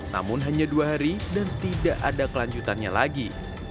namun hanya dua hari dan tidak ada kelanjutannya lagi